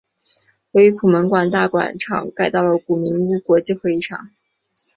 由于普门馆大馆场地改到了名古屋国际会议场。